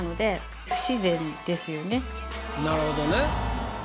なるほどね。